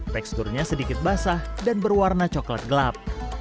teksturnya sedikit basah dan berwarna coklat gelap